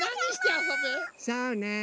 そうね